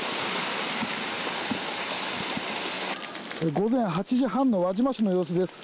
午前８時半の輪島市の様子です。